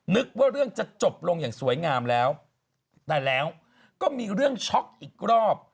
นึกว่าเรื่องจะจบลงอย่างสวยงามแล้วแต่แล้วก็มีเรื่องช็อกอีกรอบ